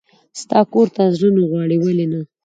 ستا کور ته زړه نه غواړي؟ ولې نه.